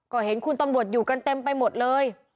ก็เห็นคุณตำรวจอยู่กันเต็มไปหมดเลย